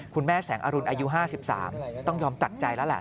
คุณแม่แสงอรุณอายุ๕๓ต้องยอมตัดใจแล้วแหละ